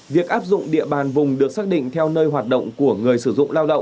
việc áp dụng địa bàn vùng được xác định theo nơi hoạt động của người sử dụng lao động